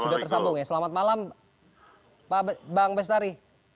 sudah tersambung ya selamat malam bang bestari